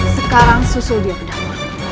sekarang susul dia ke dapur